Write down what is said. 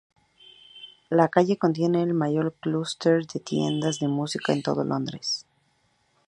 La calle contiene el mayor clúster de tiendas de música de todo Londres.